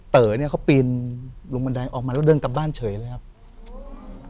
เต๋อเนี้ยเขาปีนลงบันไดออกมาแล้วเดินกลับบ้านเฉยเลยครับ